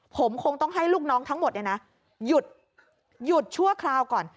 ผมคงต้องให้ลูกน้องทั้งหมดหยุดชั่วคราวก่อน